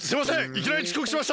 いきなりちこくしました！